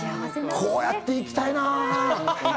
こうやっていきたいな。